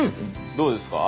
どうですか？